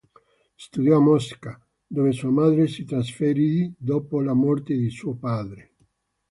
Studiò a Mosca, dove sua madre si trasferì dopo la morte di suo padre.